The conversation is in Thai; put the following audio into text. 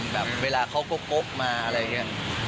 แบบเวลาเขาก็คบมาอะไรอย่างนี้